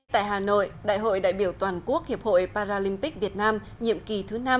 tại hà nội đại hội đại biểu toàn quốc hiệp hội paralympic việt nam nhiệm kỳ thứ năm